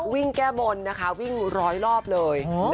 แก้บนนะคะวิ่งร้อยรอบเลย